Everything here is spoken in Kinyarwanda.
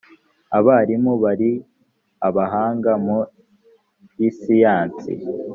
abarimu bari abahanga muri siyansi